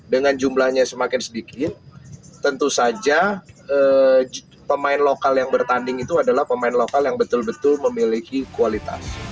dengan jumlahnya semakin sedikit tentu saja pemain lokal yang bertanding itu adalah pemain lokal yang betul betul memiliki kualitas